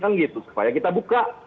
kan gitu supaya kita buka